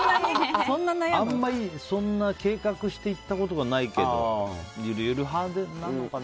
あんまり計画して行ったことがないけどゆるゆる派なのかな？